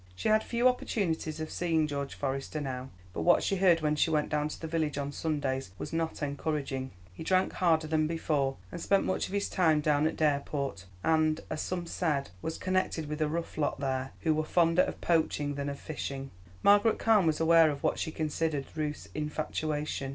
She had few opportunities of seeing George Forester now; but what she heard when she went down to the village on Sundays was not encouraging. He drank harder than before, and spent much of his time down at Dareport, and, as some said, was connected with a rough lot there who were fonder of poaching than of fishing. Margaret Carne was aware of what she considered Ruth's infatuation.